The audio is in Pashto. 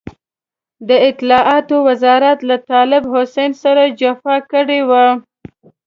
د اطلاعاتو وزارت له طالب حسين سره جفا کړې وه.